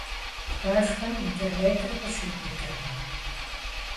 Пэшхэм интернетыр къыщиубыдрэ?